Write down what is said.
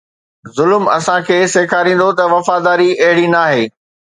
ظلم اسان کي سيکاريندو ته وفاداري اهڙي ناهي